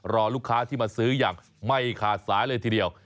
รอลูกค้าที่มาซื้ออย่างไม่ขาดสายเลยทีเดียว